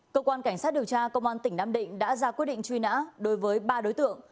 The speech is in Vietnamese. cơ quan cảnh sát điều tra công an tỉnh nam định đã ra quyết định truy nã đối với ba đối tượng